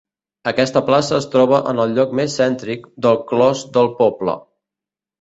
Aquesta plaça es troba en el lloc més cèntric del clos del poble.